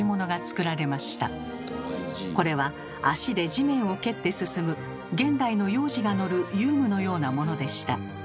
これは足で地面を蹴って進む現代の幼児が乗る遊具のようなものでした。